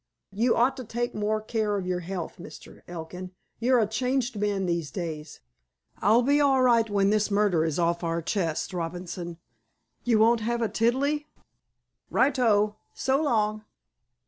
"You ought to take more care of your health, Mr. Elkin. You're a changed man these days." "I'll be all right when this murder is off our chests, Robinson. You won't have a tiddley? Right o! So long!"